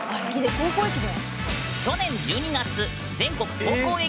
高校駅伝。